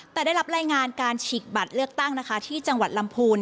แต่ได้รับรายงานการฉีกบัตรเลือกตั้งนะคะที่จังหวัดลำพูน